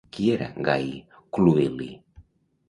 Qui era Gai Cluïli?